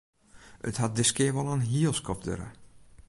It hat diskear wol in hiel skoft duorre.